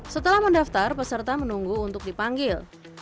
setelah mendaftar peserta menunggu untuk dipanggil